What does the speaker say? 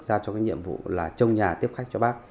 ra cho cái nhiệm vụ là trông nhà tiếp khách cho bác